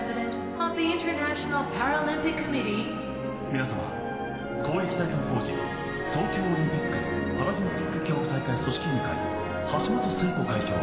皆様公益財団法人東京オリンピック・パラリンピック組織委員会橋本聖子会長。